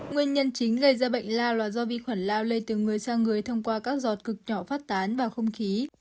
nguyên nhân chính gây ra bệnh lao là do vi khuẩn lao lây từ người sang người thông qua các giọt cực nhỏ phát tán vào không khí